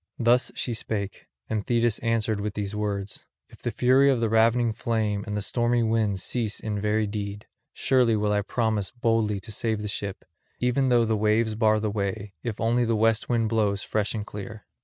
Thus she spake, and Thetis answered with these words: "If the fury of the ravening flame and the stormy winds cease in very deed, surely will I promise boldly to save the ship, even though the waves bar the way, if only the west wind blows fresh and clear.